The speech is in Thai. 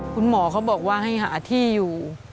คุณหมอเขาบอกว่าให้หาที่อยู่